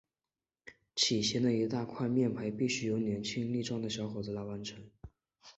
起先的一大块面培必须由年轻力壮的小伙子来完成。